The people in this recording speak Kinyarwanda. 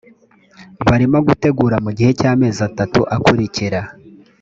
barimo gutegura mu gihe cy’amezi atatu akurikira